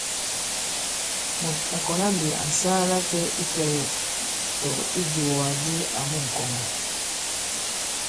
Mùt à kɔ̀la ndī à saa lacɛ̄ ifɛ̄gɛ̂k- tɔ̀ ijùwàgàdi àmu ŋ̀kɔ̀ŋgɔ̀ ?